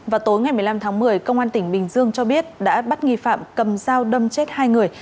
vào tối ngày một mươi năm tháng một mươi công an tỉnh bình dương cho biết đã bắt nghi phạm cầm dao đâm chết hai người